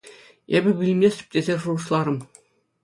Эпӗ вилместӗп тесе шухӑшларӑм.